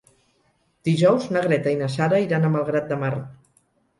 Dijous na Greta i na Sara iran a Malgrat de Mar.